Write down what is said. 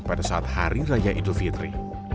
pada saat hari raya idul fitri